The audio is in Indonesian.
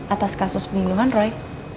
atas kasus pembunuhan roy